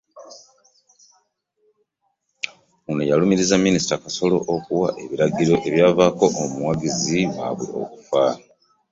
Ono yalumirizza Minisita Kasolo okuwa ebiragiro ebyavaako omuwagizi waabwe okufa